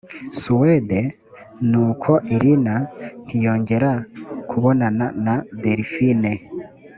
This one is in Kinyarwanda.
suwede nuko irina ntiyongera kubonana na delphine